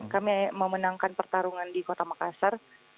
kami memenangkan pertarungan di kota makassar